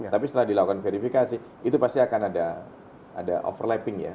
tapi setelah dilakukan verifikasi itu pasti akan ada overlapping ya